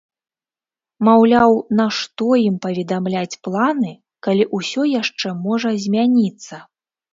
Маўляў, нашто ім паведамляць планы, калі ўсё яшчэ можа змяніцца?